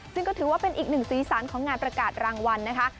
ซึ่งก็ถือว่าเป็นอีกหนึ่งสีสันของงานประกาศรางวัลนะคะ